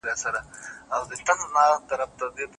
خو زما په عقیده